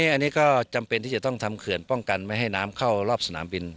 อันนี้ก็จำเป็นที่จะต้องทำเขื่อนป้องกันไม่ให้น้ำเข้ารอบสนามบิน